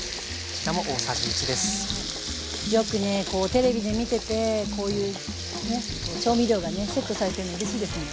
よくねテレビで見ててこういうね調味料がねセットされてるのうれしいですね。